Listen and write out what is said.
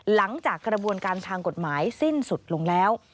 หลังจากกระบวนการทางกฎหมายสิ้นสุดลงแล้ว